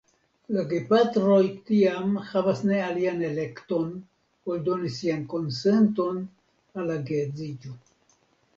La gepatroj tiam havas ne alian elekton ol doni sian konsenton al la geedziĝo.